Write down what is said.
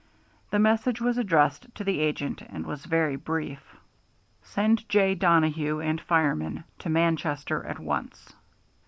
The message was addressed to the agent, and was very brief: Send J. Donohue and fireman to Manchester at once.